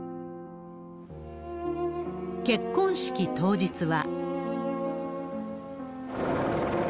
結婚式当日は。